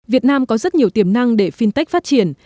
việt nam có rất nhiều tiềm năng để fintech phát triển